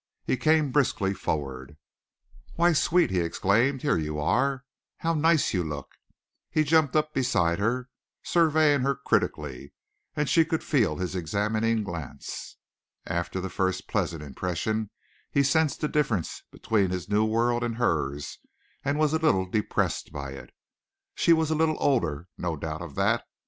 He came briskly forward. "Why, sweet," he exclaimed, "here you are. How nice you look!" He jumped up beside her, surveying her critically and she could feel his examining glance. After the first pleasant impression he sensed the difference between his new world and hers and was a little depressed by it. She was a little older, no doubt of that.